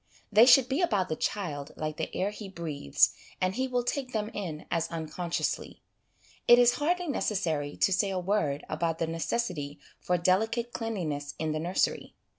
They should be about the child like the air he breathes, and he will take them in as unconsciously. It is hardly necessary to say a word about the necessity for delicate cleanliness in the nursery.